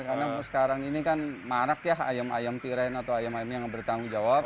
karena sekarang ini kan marak ya ayam ayam tiren atau ayam ayam ini yang bertanggung jawab